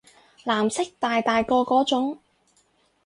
藍色大大個嗰種